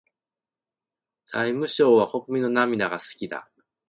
財務省は国民の涙が好きだ。